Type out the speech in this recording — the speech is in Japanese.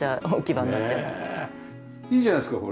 いいじゃないですか